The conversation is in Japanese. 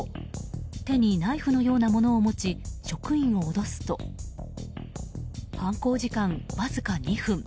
手にナイフのようなものを持ち職員を脅すと犯行時間わずか２分。